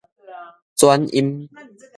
轉音